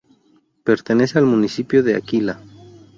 Pertenece al municipio de Aquila.